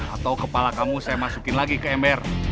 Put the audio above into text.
atau kepala kamu saya masukin lagi ke ember